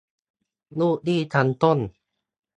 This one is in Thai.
ลูกหนี้ชั้นต้น